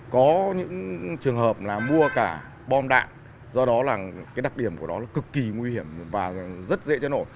có những trường hợp là mua cả bom đạn do đó đặc điểm của đó cực kỳ nguy hiểm và rất dễ cháy nổ